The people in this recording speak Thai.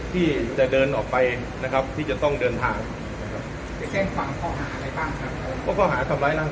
ได้พูดอะไรบ้างไหมคะในตอนนั้น